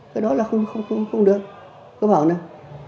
cái đó là không được cấp một này